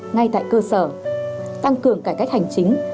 ngay tại cơ sở tăng cường cải cách hành chính